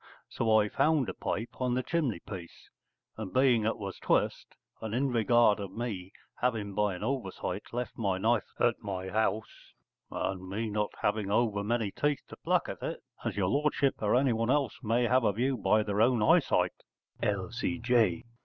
So I found a pipe on the chimney piece, and being it was twist, and in regard of me having by an oversight left my knife at my house, and me not having over many teeth to pluck at it, as your lordship or anyone else may have a view by their own eyesight _L.C.J.